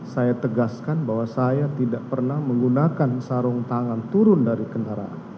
saya tegaskan bahwa saya tidak pernah menggunakan sarung tangan turun dari kendaraan